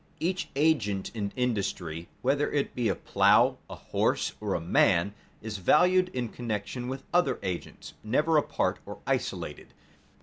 _ Each agent in industry, whether it be a plough, a horse, or a man, is valued in connection with other agents, never apart or isolated.